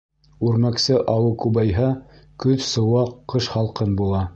Үрмәксе ауы күбәйһә, көҙ сыуаҡ, ҡыш һалҡын була.